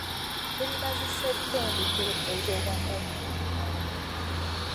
Tulina zi ssettendekero ez'obwannanyini mu Uganda.